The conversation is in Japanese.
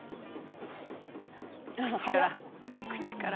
「口から！